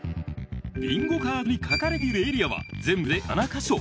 ビンゴカードに書かれているエリアは全部で７か所。